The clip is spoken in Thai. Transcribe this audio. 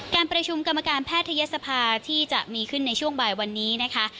การประชุมกรรมการแพทยศภาที่จะมีขึ้นในช่วงบ่ายวันนี้นะคะ